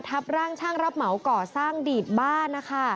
ทับร่างช่างรับเหมาก่อสร้างดีดบ้านนะคะ